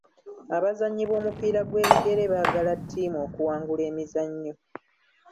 Abazannyi b'omupiira gw'ebigere baagala ttiimu okuwangula emizannyo.